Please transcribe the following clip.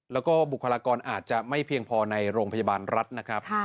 แล้วก็บุคลากรอาจจะไม่เพียงพอในโรงพยาบาลรัฐนะครับ